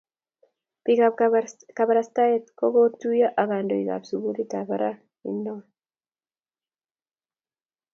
Pik ab kabarastet ko kotuyo ak kandoik ab sikulit ab barak inoton